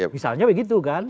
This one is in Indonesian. misalnya begitu kan